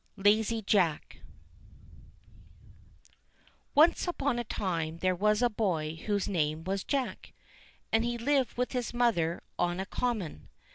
LAZY JACK ONCE upon a time there was a boy whose name was Jack, and he Hved with his mother on a common.